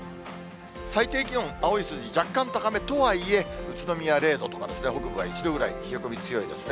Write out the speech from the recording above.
最低気温、青い数字、若干高めとはいえ、宇都宮０度とか、北部は１度ぐらい、冷え込み強いですね。